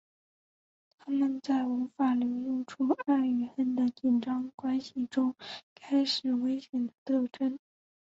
他们在无法流露出爱与恨的紧张关系中开始危险的争斗。